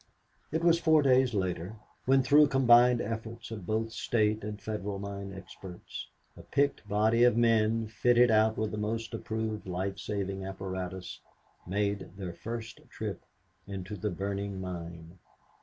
It was four days later when, through the combined efforts of both state and federal mine experts, a picked body of men fitted out with the most approved life saving apparatus made their first trip into the burning mine.